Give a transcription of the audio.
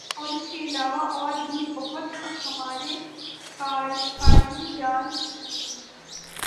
اور اس کے علاوہ اور بھی بہت کچھ ہمارے قارئین جان چکے ہیں ۔